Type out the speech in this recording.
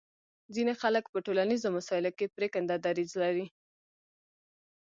ځینې خلک په ټولنیزو مسایلو کې پرېکنده دریځ لري